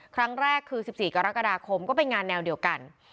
ครั้งแรกคือ๑๔กรกฎาคมก็เป็นงานแนวเดียวกัน